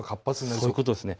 そういうことです。